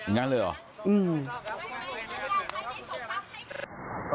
อย่างนั้นเลยเหรอ